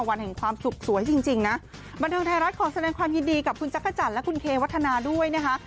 วันแห่งความสุขสวยจริงจริงนะบันเทิงไทยรัฐขอแสดงความยินดีกับคุณจักรจันทร์และคุณเทวัฒนาด้วยนะคะ